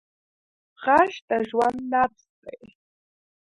غږ د ژوند نبض دی